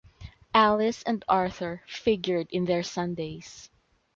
Alice and Arthur figured in their Sundays.